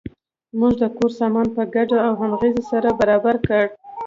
موږ د کور سامان په ګډه او همغږۍ سره برابر کړ.